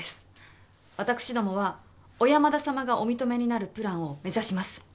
私どもは小山田様がお認めになるプランを目指します。